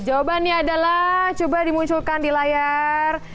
jawabannya adalah coba dimunculkan di layar